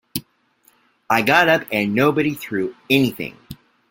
I got up and nobody threw anything.